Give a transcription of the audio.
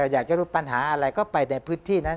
อยากจะรู้ปัญหาอะไรก็ไปในพื้นที่นั้น